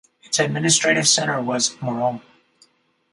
Its administrative centre was Murom.